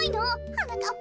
はなかっ